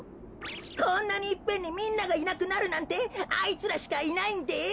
こんなにいっぺんにみんながいなくなるなんてあいつらしかいないんです。